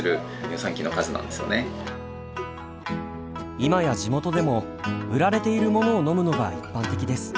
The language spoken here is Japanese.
今や地元でも売られているものを飲むのが一般的です。